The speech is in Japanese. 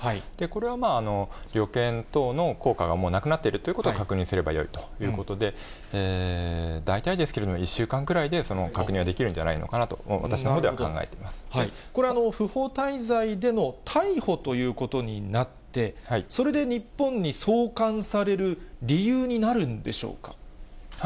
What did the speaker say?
これはまあ、旅券等の効果がもうなくなっているということを確認すればよいということで、大体ですけれども、１週間くらいで確認はできるんじゃないのかなと、私のほうでは考これ、不法滞在での逮捕ということになって、それで日本に送還される理由になるんでしょうか。